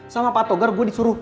sama pak togar gue disuruh